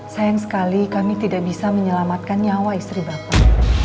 sayang sekali kami tidak bisa menyelamatkan nyawa istri bapak